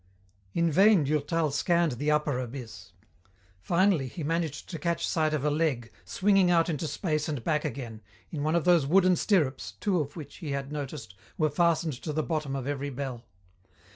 In vain Durtal scanned the upper abyss. Finally he managed to catch sight of a leg, swinging out into space and back again, in one of those wooden stirrups, two of which, he had noticed, were fastened to the bottom of every bell.